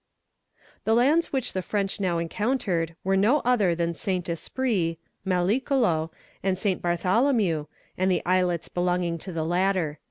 The lands which the French now encountered, were no other than St. Esprit, Mallicolo, and St. Bartholomew, and the islets belonging to the latter.